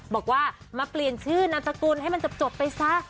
บอกว่ามาเปลี่ยนชื่อนามสกุลให้มันจบไปซะ